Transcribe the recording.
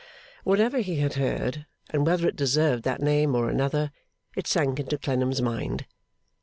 Whatever he had heard, and whether it deserved that name or another, it sank into Clennam's mind.